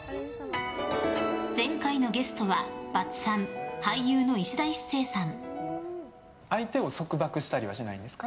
前回のゲストはバツ３俳優のいしだ壱成さん。